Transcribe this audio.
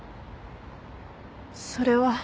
それは。